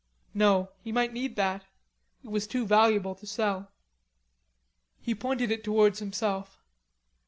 No, he might need that; it was too valuable to sell. He pointed it towards himself.